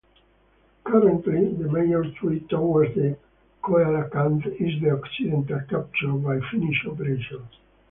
Currently, the major threat towards the coelacanth is the accidental capture by fishing operations.